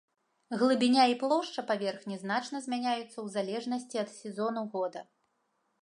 Глыбіня і плошча паверхні значна змяняюцца ў залежнасці ад сезону года.